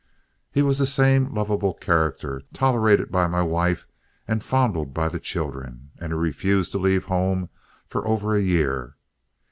He was the same lovable character, tolerated by my wife and fondled by the children, and he refused to leave home for over a year.